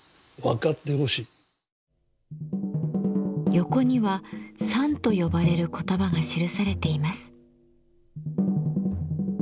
横には「賛」と呼ばれる言葉が記されています。